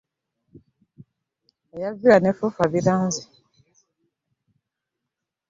Eya villa ne Fufa biranze.